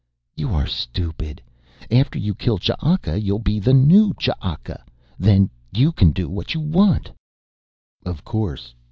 "You are stupid. After you kill Ch'aka you'll be the new Ch'aka. Then you can do what you want." Of course.